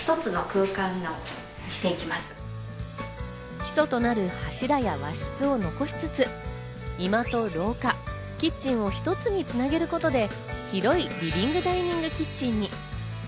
基礎となる柱や和室を残しつつ、居間と廊下、キッチンを一つにつなげることで、広いリビングダイニングキッチンに。